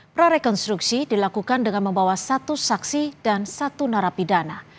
prarekonstruksi dilakukan dengan membawa satu saksi dan satu narapidana